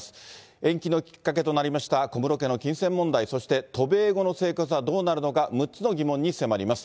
延期のきっかけとなりました小室家の金銭問題、そして渡米後の生活はどうなるのか、６つの疑問に迫ります。